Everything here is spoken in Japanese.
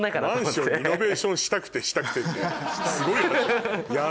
「マンションをリノベーションしたくてしたくて」ってすごい。